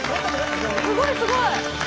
すごいすごい！